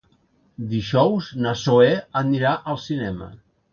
Dijous na Zoè anirà al cinema.